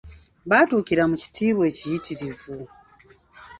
Baatuukira mu kitiibwa ekiyitirivu.